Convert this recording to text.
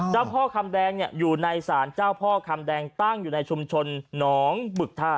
เจ้าพ่อคำแดงอยู่ในศาลเจ้าพ่อคำแดงตั้งอยู่ในชุมชนหนองบึกท่า